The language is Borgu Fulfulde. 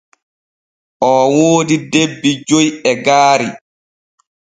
Oo woodi debbi joy e gaari.